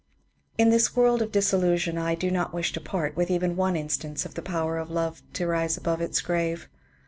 In this world of disillusion I do not wish to part with even one instance of the power of love to rise above its grave.